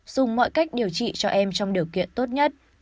dùng mọi cách điều trị cho em trong điều kiện tốt nhất